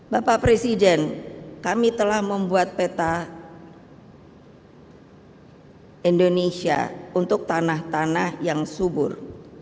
bapak presiden kami telah membuat peta indonesia untuk tanah tanah yang subur